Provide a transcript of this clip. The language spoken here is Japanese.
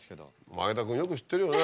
前田君よく知ってるよね。